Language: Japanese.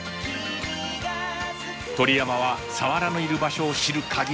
鳥山はサワラのいる場所を知るカギ。